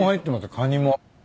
カニも。